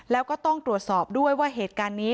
แล้วก็ต้องตรวจสอบด้วยว่าเหตุการณ์นี้